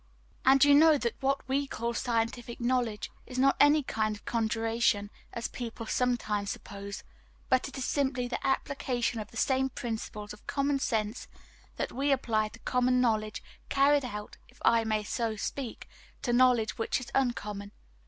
And you know that what we call scientific knowledge is not any kind of conjuration, as people sometimes suppose, but it is simply the application of the same principles of common sense that we apply to common knowledge, carried out, if I may so speak, to knowledge which is uncommon.